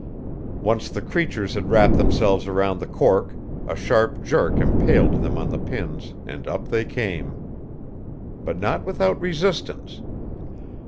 Once the creatures had wrapped themselves around the cork a sharp jerk impaled them on the pins, and up they came. But not without resistance.